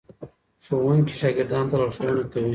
ښوونکي شاګردانو ته لارښوونه کوي.